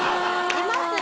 います。